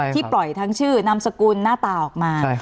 ที่ปล่อยทางชื่อนำสกุลหน้าตาออกมา